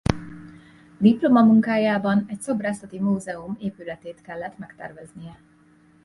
Diplomamunkájában egy Szobrászati Múzeum épületét kellett megterveznie.